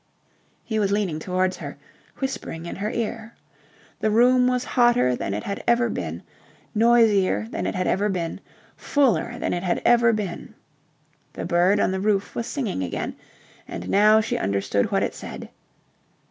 He was leaning towards her, whispering in her ear. The room was hotter than it had ever been, noisier than it had ever been, fuller than it had ever been. The bird on the roof was singing again and now she understood what it said.